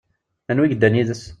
Aniwa yeddan yid-s?